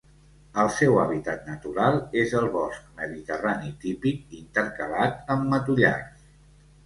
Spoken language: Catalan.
El seu hàbitat natural és el bosc mediterrani típic intercalat amb matollars.